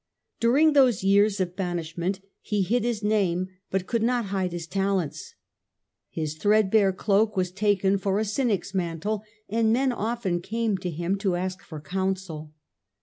During those years of banishment he hid his name but could not hide his talents ; his threadbare cloak was taken for a Cynic's mantle, and men often came to him to ask for counsel.